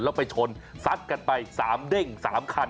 แล้วไปชนซัดกันไป๓เด้ง๓คัน